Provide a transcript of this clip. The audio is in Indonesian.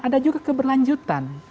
ada juga keberlanjutan